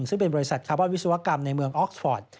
ซึ่งเป็นบริษัทคาร์บอนวิศวกรรมในเมืองออกฟอร์ต